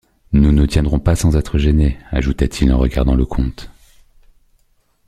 Nous ne tiendrions pas sans être gênés, ajouta-t-il en regardant le comte.